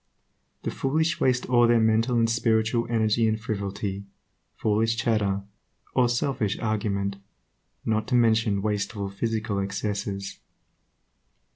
The foolish waste all their mental and spiritual energy in frivolity, foolish chatter, or selfish argument, not to mention wasteful physical excesses.